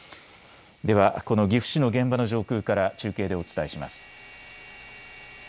ではこの岐阜市の現場の上空から中継でお伝えします。